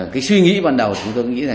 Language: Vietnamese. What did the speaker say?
cái suy nghĩ ban đầu chúng tôi nghĩ là